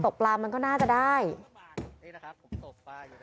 ตกปลามันก็น่าจะได้นี่นะครับ